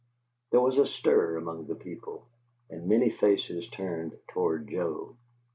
There was a stir among the people, and many faces turned toward Joe.